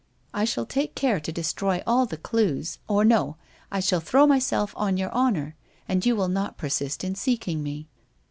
I shall take care to destroy all the clues, or no, I shall throw myself on your honour and you will not persist in seeking me.